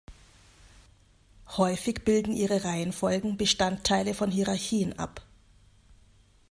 Häufig bilden ihre Reihenfolgen Bestandteile von Hierarchien ab.